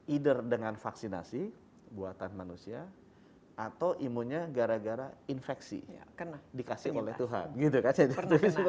either dengan vaksinasi buatan manusia atau imunnya gara gara infeksi dikasih oleh tuhan